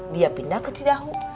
dia pindah ke cidahu